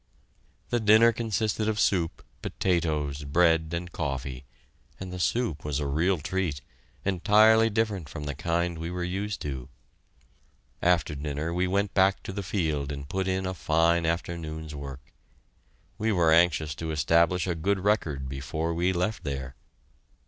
The dinner consisted of soup, potatoes, bread, and coffee, and the soup was a real treat, entirely different from the kind we were used to. After dinner we went back to the field and put in a fine afternoon's work. We were anxious to establish a good record before we left there.